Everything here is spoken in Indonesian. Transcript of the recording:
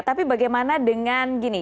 tapi bagaimana dengan gini